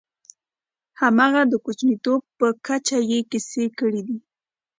همغه د کوچنیتوب په کچه یې کیسه کړې ده.